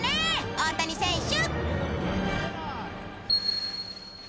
大谷選手？